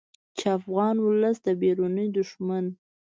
چې افغان ولس د بیروني دښمن